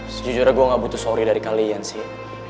sejujurnya gue gak butuh sorry dari kalian sih